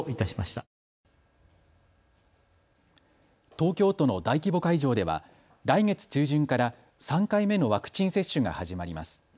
東京都の大規模会場では来月中旬から３回目のワクチン接種が始まります。